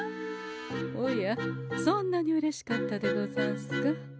おやそんなにうれしかったでござんすか？